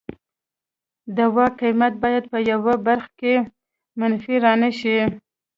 د وای قیمت باید په یوه برخه کې منفي را نشي